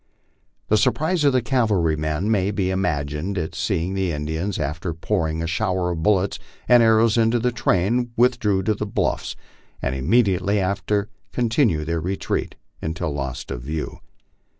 The surprise of the cavalrymen may be imagined at seeing the Indians, after pouring a shower of bullets and arrows into the train, withdraw to the bluffs, and immediately after continue their retreat until lost to view.